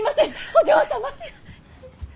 お嬢様！